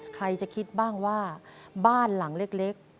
ใครจะคิดบ้างว่าบ้านหลังเล็ก